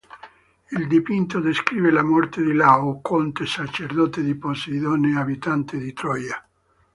Il dipinto descrive la morte di Laocoonte, sacerdote di Poseidone e abitante di Troia.